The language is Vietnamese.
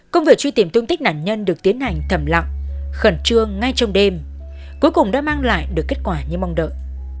công việc truy tìm tung tích nạn nhân được tiến hành thẩm lặng khẩn trương ngay trong đêm cuối cùng đã mang lại được kết quả như mong đợi